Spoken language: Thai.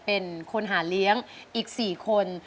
เป็นคนหาเลี้ยงอีก๔คน